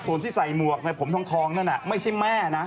ส่วนที่ใส่หมวกในผมทองนั่นไม่ใช่แม่นะ